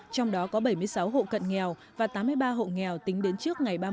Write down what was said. trong đó có bảy mươi sáu hộ cận nghèo và tám mươi ba hộ nghèo tính đến trước ngày ba mươi